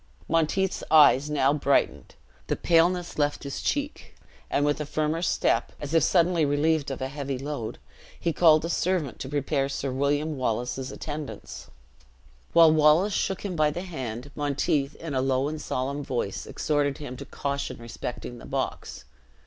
Monteith's eyes now brightened the paleness left his cheek and with a firmer step, as if suddenly relieved of a heavy load, he called a servant to prepare Sir William Wallace's attendants. While Wallace shook him by the hand, Monteith, in a low and solemn voice, exhorted him to caution respecting the box.